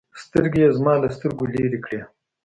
سترگې يې زما له سترگو لرې کړې.